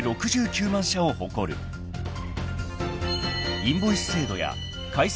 ［インボイス制度や改正